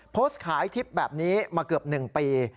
โพสต์ขายทริปแบบนี้มาเกือบ๑ปี